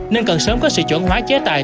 nên cần sớm có sự chuẩn hóa chế tài